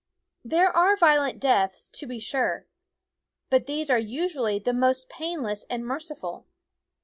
There are violent deaths, to be sure ; but these are usually the most painless and mer ciful.